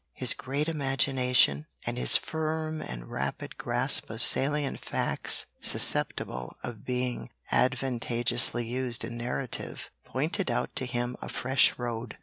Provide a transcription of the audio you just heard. His great imagination, and his firm and rapid grasp of salient facts susceptible of being advantageously used in narrative, pointed out to him a fresh road.